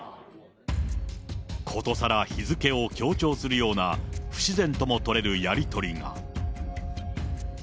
ことさら日付を強調するような、不自然とも取れるやり取りが。